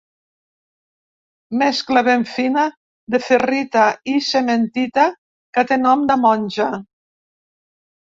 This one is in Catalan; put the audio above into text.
Mescla ben fina de ferrita i cementita que té nom de monja.